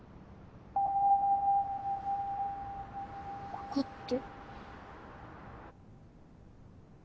ここって。